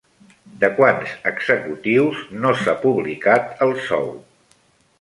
De quants executius no s'ha publicat el sou?